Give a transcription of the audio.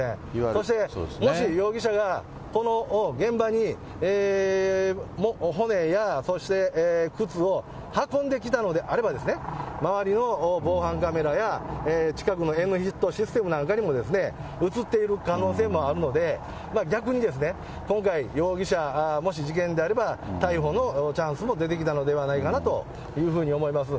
そして、もし容疑者がこの現場に骨や、そして靴を運んできたのであれば、周りを防犯カメラや近くのＭヒットシステムの中にも写っている可能性もあるので、逆に、今回、容疑者、もし事件であれば、逮捕のチャンスも出てきたのではないかなというふうに思います。